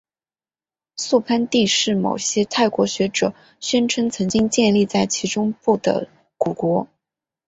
素攀地是某些泰国学者宣称曾经建立在其中部的古国。